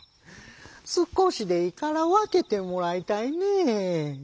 「すこしでいいからわけてもらいたいねぇ」。